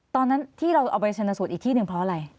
ตอนนั้นที่เราเอาไปชนสูตรอีกที่หนึ่งเพราะอะไร